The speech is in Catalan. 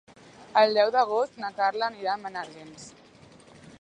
El deu d'agost na Carla anirà a Menàrguens.